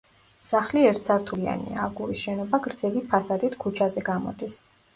სახლი ერთსართულიანია აგურის შენობა გრძივი ფასადით ქუჩაზე გამოდის.